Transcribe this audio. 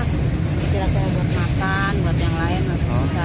kira kira buat makan buat yang lain